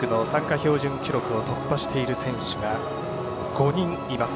標準記録を突破した選手が５人います。